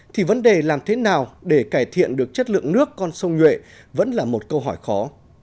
thì vấn đề làm thế nào để cải thiện được chất lượng nước con sông nhuệ vẫn là một câu hỏi khó